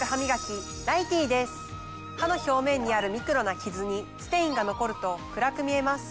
歯の表面にあるミクロなキズにステインが残ると暗く見えます。